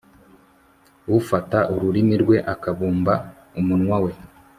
ufata ururimi rwe akabumba umunwa we